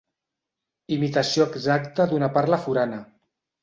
Imitació exacta d'una parla forana.